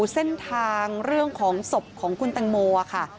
เส้นทางเรื่องของศพของคุณตังโมค่ะ